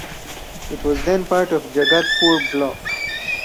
It was then part of Jagatpur block.